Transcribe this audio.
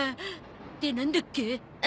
ってなんだっけ？